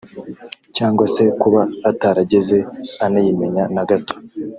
cyangwa se kuba atarigeze anayimenya na gato